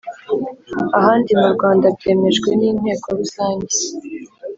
ahandi mu Rwanda byemejwe n inteko Rusange